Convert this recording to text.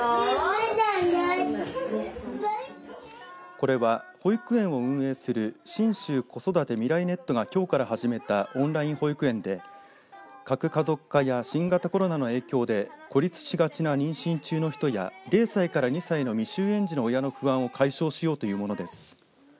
これは保育園を運営する信州子育てみらいネットがきょうから始めたオンライン保育園で核家族化や新型コロナの影響で孤立しがちな妊娠中の人や０歳から２歳の未就園児の親の不安を解消しようというものです。